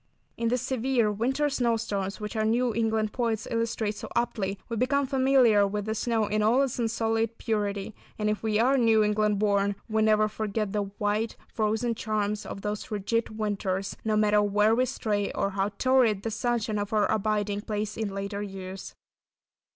In these severe winter snow storms which our New England poets illustrate so aptly, we become familiar with the snow in all its unsullied purity, and if we are New England born, we never forget the white, frozen charms of those rigid winters, no matter where we stray, or how torrid the sunshine of our abiding place in later years.